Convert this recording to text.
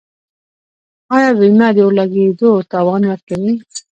آیا بیمه د اور لګیدو تاوان ورکوي؟